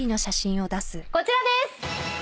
こちらです。